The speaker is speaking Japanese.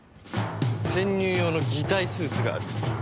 潜入用の擬態スーツがある。